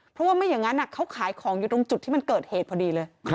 เพราะว่าไม่อย่างนั้นเขาขายของอยู่ตรงจุดที่มันเกิดเหตุพอดีเลย